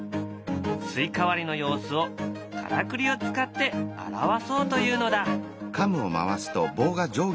スイカ割りの様子をからくりを使って表そうというのだ。